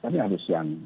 tapi harus yang